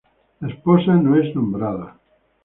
La esposa no es nombrada.